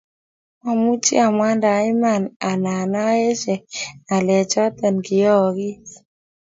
Mamuchi amwa nda Iman anan aeshe ngalechoto kiyoyigiis